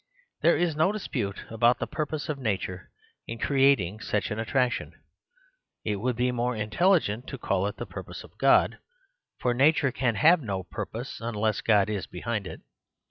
There is no dispute about the purpose of Nature in creating such an attraction. It would be more intelligent to call it the purpose of God ; for Nature can have no purpose unless God is behind it.